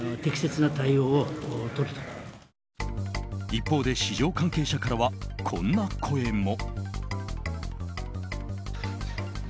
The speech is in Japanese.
一方で市場関係者からはこんな声も。